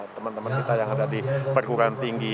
teman teman kita yang ada di perguruan tinggi